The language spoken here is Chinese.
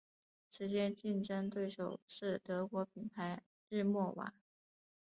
直接竞争对手是德国品牌日默瓦。